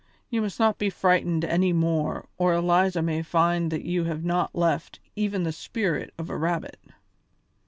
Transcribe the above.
You must not be frightened any more or Eliza may find that you have not left even the spirit of a rabbit."